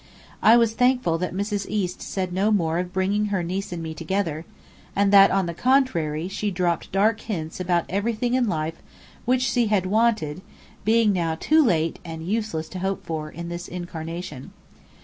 I was thankful that Mrs. East said no more of bringing her niece and me together, and that, on the contrary, she dropped dark hints about "everything in life which she had wanted" being now "too late, and useless to hope for" in this incarnation.